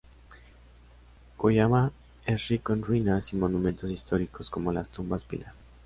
Koyama es rico en ruinas y monumentos históricos como las tumbas pilar.